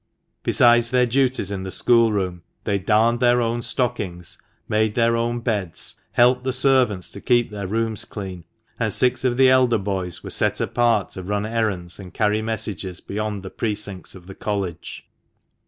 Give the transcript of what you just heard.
Besides their duties in the schoolroom, they darned their own stockings, made their own beds, helped the servants to keep their rooms clean, and six of the elder boys were set apart to run errands and carry messages beyond the precincts of the College.